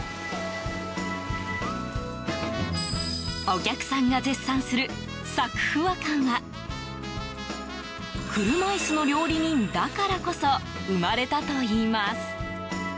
お客さんが絶賛するサクフワ感は車椅子の料理人だからこそ生まれたといいます。